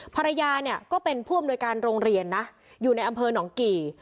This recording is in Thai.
ภรรยาเนี่ยก็เป็นผู้อำนวยการโรงเรียนนะอยู่ในอำเภอหนองกี่